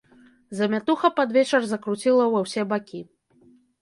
Замятуха пад вечар закруціла ўва ўсе бакі.